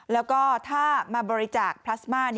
แล้วก็ถ้ามาบริจาคพลาสมา